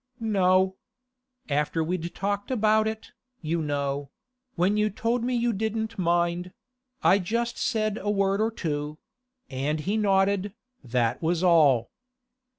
'No. After we'd talked about it, you know—when you told me you didn't mind—I just said a word or two; and he nodded, that was all.